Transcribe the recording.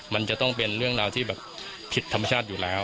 มันจะต้องเป็นเรื่องราวที่แบบผิดธรรมชาติอยู่แล้ว